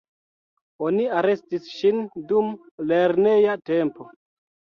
Oni arestis ŝin dum lerneja tempo.